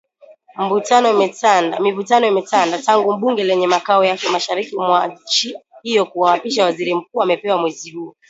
Mivutano imetanda tangu bunge lenye makao yake mashariki mwa nchi hiyo kumwapisha Waziri Mkuu mapema mwezi huu